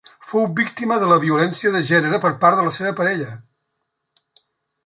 Fou víctima de la violència de gènere per part de la seva parella.